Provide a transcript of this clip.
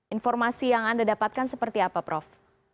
informasi yang anda dapatkan seperti apa prof